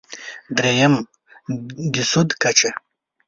درېیم: د سود کچه.